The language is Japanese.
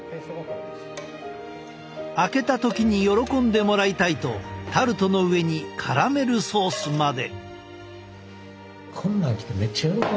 開けた時に喜んでもらいたいとタルトの上にカラメルソースまで。